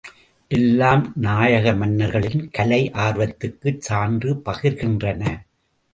எல்லாம் நாயக மன்னர்களின் கலை ஆர்வத்துக்கு சான்று பகர்கின்றன.